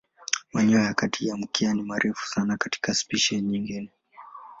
Manyoya ya kati ya mkia ni marefu sana katika spishi nyingine.